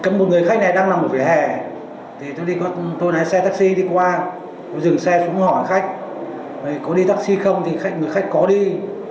một người khách này đang nằm ở phía hẻ tôi lái xe taxi đi qua dừng xe xuống hỏi khách có đi taxi không thì người khách có đi